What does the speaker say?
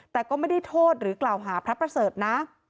แต่ก็ไม่ได้โทษหรือกล่าวหาพระประเสริฐนะ